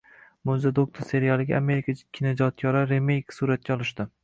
“Mo‘jiza doktor”serialiga - Amerika kinoijodkorlari remeyk suratga olishdi.